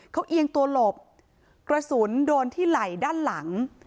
เขาเอียงตัวหลบกระสุนโดนที่ไหล่ด้านหลัง